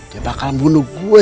dia bakal bunuh gue